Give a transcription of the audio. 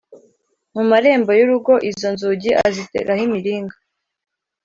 Mu marembo y urugo izo nzugi aziteraho imiringa